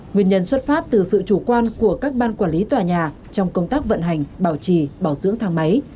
nguyên nhân xuất phát từ sự chủ quan của các ban quản lý tòa nhà trong công tác vận hành bảo trì bảo dưỡng thang máy